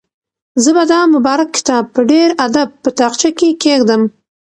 زه به دا مبارک کتاب په ډېر ادب په تاقچه کې کېږدم.